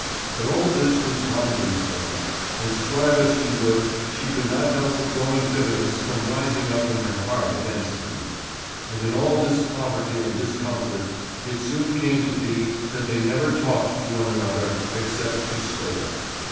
But all this was Wangen's fault, and strive as she would she could not help a growing bitterness from rising up in her heart against him; and in all this poverty and discomfort, it soon came to be that they never talked to one another except to scold.